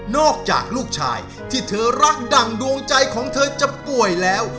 อกจากลูกชายที่เธอรักดั่งดวงใจของเธอจะป่วยแล้ว